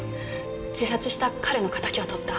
自殺した彼の敵を取った。